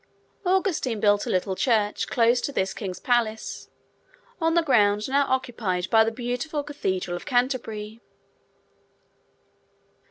Augustine built a little church, close to this King's palace, on the ground now occupied by the beautiful cathedral of Canterbury.